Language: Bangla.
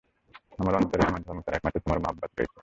আমার অন্তরে আমার ধর্ম ছাড়া একমাত্র তোমার মহব্বত রয়েছে।